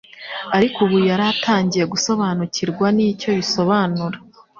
ariko ubu yari atangiye gusobanukirwa n’icyo bisobanura.